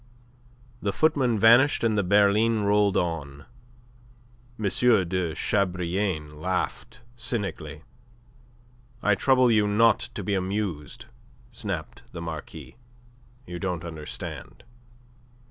The footman vanished and the berline rolled on. M. de Chabrillane laughed cynically. "I'll trouble you not to be amused," snapped the Marquis. "You don't understand."